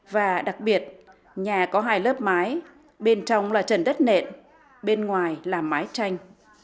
và đặc biệt nhà có hai lớp mái bên trong là trần đất nện bên ngoài là mái tranh